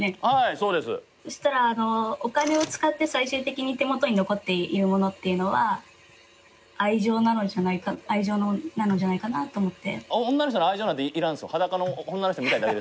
そうしたら、お金を使って最終的に、手元に残っているものっていうのは愛情なのじゃないかと思って。